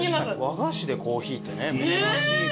和菓子でコーヒーってね珍しいから。